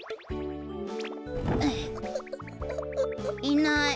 いない。